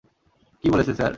কি বলেছে স্যার?